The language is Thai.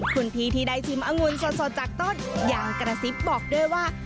คุณพี่ที่ได้ชิมองุ่นสดจากต้นยังกระซิบบอกด้วยว่า